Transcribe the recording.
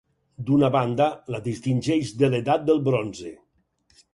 D'una banda la distingeix de l'edat del bronze.